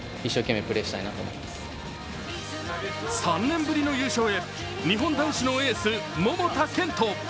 ３年ぶりの優勝へ日本男子のエース・桃田賢斗。